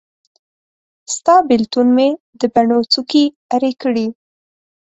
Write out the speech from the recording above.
ستا بیلتون مې د بڼو څوکي ارې کړې